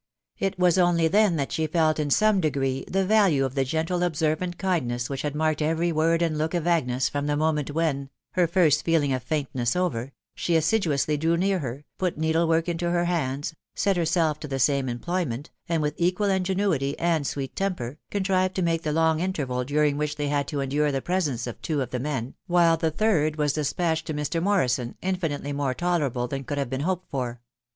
It was only then that she felt, in some degree, the value of the gentle observant kindness which had marked every word and look of Agnes from the moment when — her first feeling of faintneas over — she assiduously drew near her, put needle work into her hands, set herself to the same employment, and, with equal ingenuity and sweet temper, contrived to make the long interval during which they had to endure the presence of two of the men, while the third was despatched to Mr. Mor rison, infinitely more tolerable than could have been hoped for.